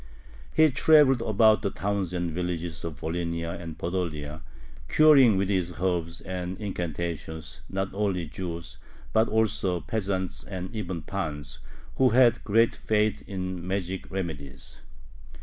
He traveled about the towns and villages of Volhynia and Podolia, curing with his herbs and incantations not only Jews, but also peasants and even pans, who had great faith in magic remedies.